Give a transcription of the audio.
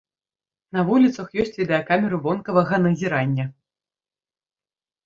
На вуліцах ёсць відэакамеры вонкавага назірання.